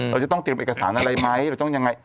เราจะต้องเตรียมเอกสารอะไรไหมเราต้องยังไง